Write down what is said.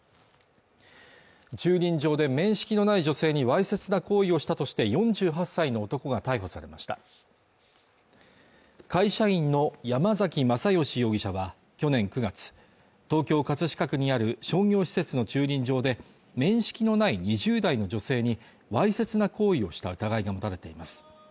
駐輪場で面識のない女性にわいせつな行為をしたとして４８歳の男が逮捕されました会社員の山崎正義容疑者は去年９月東京葛飾区にある商業施設の駐輪場で面識のない２０代の女性にわいせつな行為をした疑いが持たれています